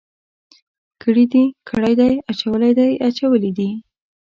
کړي دي، کړی دی، اچولی دی، اچولي دي.